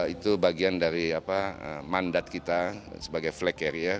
itu bagian dari mandat kita sebagai flag carrier